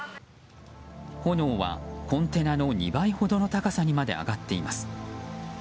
炎はコンテナの２倍ほどの高さにまで上がっています。